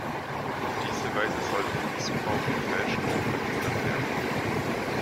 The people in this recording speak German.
Auf diese Weise sollten Missbrauch und Fälschungen verhindert werden.